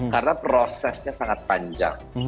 karena prosesnya sangat panjang